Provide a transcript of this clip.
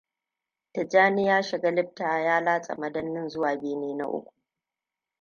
Tijjani ya shiga lifta ya latsa madannin zuwa bene na uku.